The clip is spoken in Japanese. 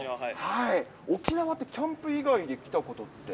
沖縄ってキャンプ以外で来たことって？